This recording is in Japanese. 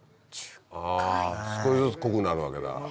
あ少しずつ濃くなるわけだ。